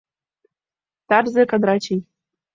Тарзе Кадрачий